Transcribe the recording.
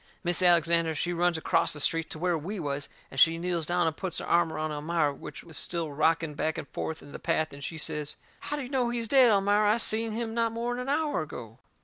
Mis' Alexander, she runs acrost the street to where we was, and she kneels down and puts her arm around Elmira, which was still rocking back and forth in the path, and she says: "How do you know he's dead, Elmira? I seen him not more'n an hour ago."